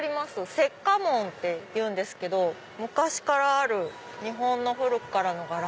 雪華文っていうんですけど昔からある日本の古くからの柄。